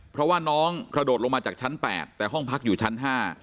เพราะว่าน้องกระโดดลงมาจากชั้น๘แต่ห้องพักอยู่ชั้น๕